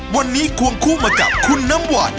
วันนี้ควงคู่มากับคุณน้ำหวาน